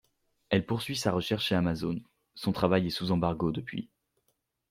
Elle poursuit sa recherche chez Amazon, son travail est sous embargo depuis.